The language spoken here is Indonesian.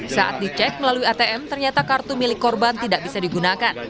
saat dicek melalui atm ternyata kartu milik korban tidak bisa digunakan